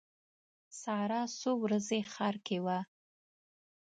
ساره څو ورځې ښار کې وه.